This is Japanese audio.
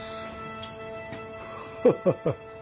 ハハハッ。